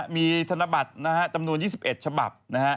มีธนบัตรจำนวน๒๑ฉบับนะฮะ